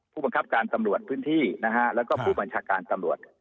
ผู้บังคับการตำรวจพื้นที่นะฮะแล้วก็ผู้บัญชาการตำรวจ